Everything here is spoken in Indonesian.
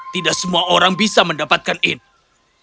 tidak semua orang bisa mendapatkan ini